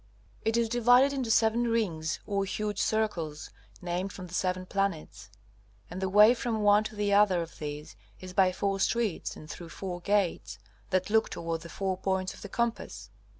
It is divided into seven rings or huge circles named from the seven planets, and the way from one to the other of these is by four streets and through four gates, that look toward the four points of the compass.